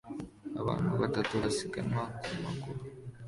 Abantu batatu basiganwa ku maguru